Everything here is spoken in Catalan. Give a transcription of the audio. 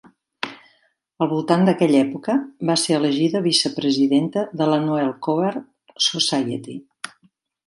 Al voltant d'aquella època, va ser elegida vicepresidenta de la Noel Coward Society.